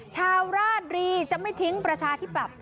ชาวราชรีจะไม่ทิ้งประชาธิปัตย